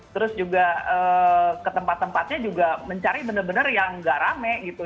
terus juga ke tempat tempatnya juga mencari bener bener yang gak rame gitu